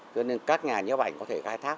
cho nên các nhà nhấp ảnh có thể khai thác